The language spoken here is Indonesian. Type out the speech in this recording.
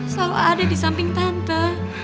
selalu ada di samping tante